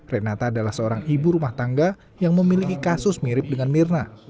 renata adalah seorang ibu rumah tangga yang memiliki kasus mirip dengan mirna